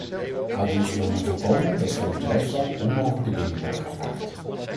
Aldus wil men voorkomen dat van de bedrijfstak onmogelijke dingen worden gevraagd.